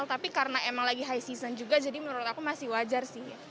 tapi karena emang lagi high season juga jadi menurut aku masih wajar sih